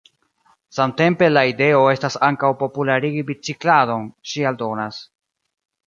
Samtempe la ideo estas ankaŭ popularigi bicikladon, ŝi aldonas.